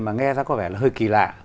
mà nghe ra có vẻ hơi kì lạ